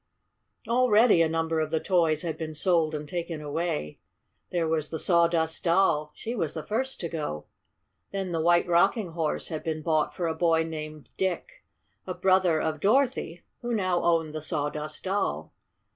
Already a number of the toys had been sold and taken away. There was the Sawdust Doll. She was the first to go. Then the White Rocking Horse had been bought for a boy named Dick, a brother of Dorothy, who now owned the Sawdust Doll.